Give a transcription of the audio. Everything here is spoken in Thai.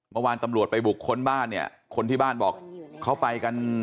เมื่อวานตำรวจไปบุคคลบ้านเนี่ยคนที่บ้านบอกเขาไปกัน